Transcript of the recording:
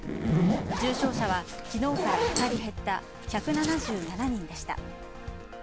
重症者は昨日から２人減った１７７人でした。